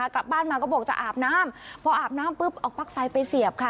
กลับบ้านมาก็บอกจะอาบน้ำพออาบน้ำปุ๊บเอาปลั๊กไฟไปเสียบค่ะ